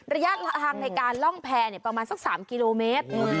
ระยะทางในการล่องแพร่ประมาณสัก๓กิโลเมตร